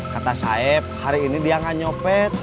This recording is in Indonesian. kata saeb hari ini dia gak nyopet